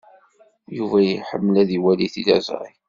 Yuba iḥemmel ad iwali tiliẓri.